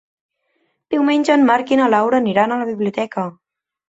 Diumenge en Marc i na Laura aniran a la biblioteca.